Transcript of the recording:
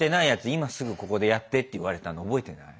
今すぐここでやってって言われたの覚えてない？